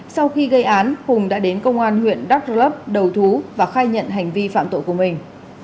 sau khi gây án hùng đã đến công an huyện đắk rơ lấp đầu thú và khai nhận hành vi phạm tội của mình